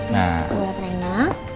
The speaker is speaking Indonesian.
nah lihat raina